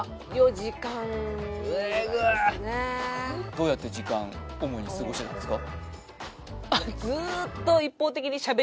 エグッどうやって時間主に過ごしてたんですか？